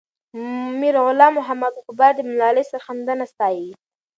میرغلام محمد غبار د ملالۍ سرښندنه ستايي.